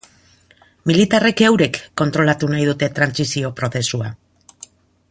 Militarrek eurek kontrolatu nahi dute trantsizio-prozesua.